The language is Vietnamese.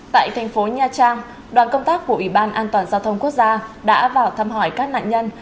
tại thành phố nha trang đoàn công tác của ủy ban an toàn giao thông quốc gia đã vào thăm hỏi các nạn nhân